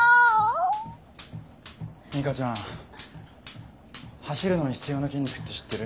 ミカちゃん走るのに必要な筋肉って知ってる？